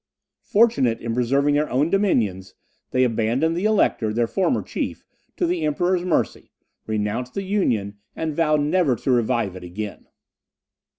Fortunate in preserving their own dominions, they abandoned the Elector, their former chief, to the Emperor's mercy, renounced the Union, and vowed never to revive it again.